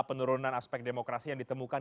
penurunan aspek demokrasi yang ditemukan